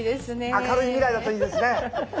明るい未来だといいですね。